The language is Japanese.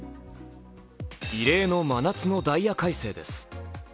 異例の真夏のダイヤ改正です。